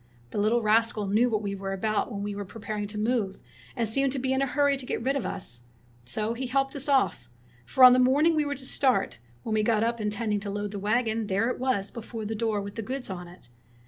The little rascal knew what we were about when we were pre paring to move, and seemed to be in a hurry to get rid of us. So he helped us off ; for on the morning we were to start, when we got up in tending to load the wagon, there it was before the door with the goods on it.